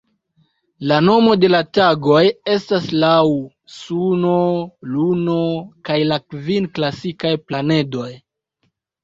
La nomoj de la tagoj estas laŭ suno, luno kaj la kvin klasikaj planedoj.